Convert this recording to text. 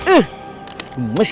ih temis kembali